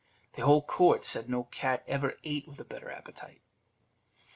The whole court said no cat ever ate with a better appetite.